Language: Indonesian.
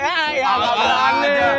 ya ya gak peduli